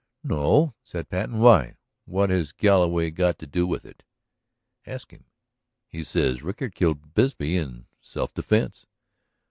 "No," said Patten. "Why? What has Galloway got to do with it?" "Ask him. He says Rickard killed Bisbee in self defense."